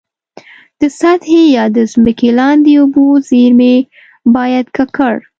د سطحي یا د ځمکي لاندي اوبو زیرمي باید ککړ.